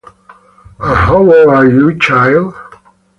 And how old are you, child!